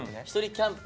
キャンプ！